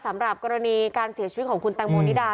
สำหรับกรณีการเสียชีวิตของคุณแตงโมนิดา